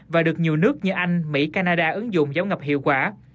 và được nhiều nước như anh mỹ canada ứng dụng giảm ngập hiệu quả